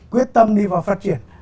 quyết tâm đi vào phát triển